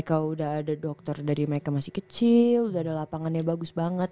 kalau udah ada dokter dari mereka masih kecil udah ada lapangannya bagus banget